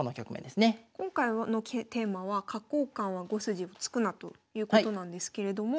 今回のテーマは角交換は５筋を突くなということなんですけれども。